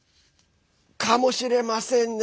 かもしれませんね